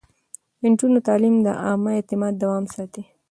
د نجونو تعليم د عامه اعتماد دوام ساتي.